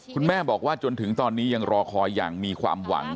คุณแม่บอกว่าจนถึงตอนนี้ยังรอคอยอย่างมีความหวัง